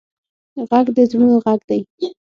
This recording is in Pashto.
غږ د زړونو غږ دی